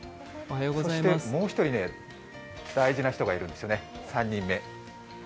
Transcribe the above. そしてもう一人、大事な人がいるんですよね、３人目。